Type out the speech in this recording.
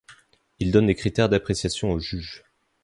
Il donne des critères d'appréciation aux juges.